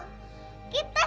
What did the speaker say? udah cukup dekat